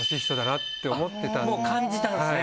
もう感じたんですね